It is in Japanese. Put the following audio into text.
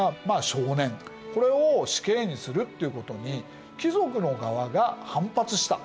これを死刑にするっていうことに貴族の側が反発した。